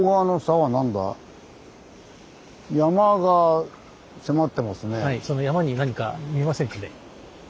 はいその山に何か見えませんかね？